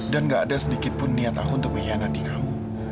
dan gak ada sedikit pun niat aku untuk mengkhianati kamu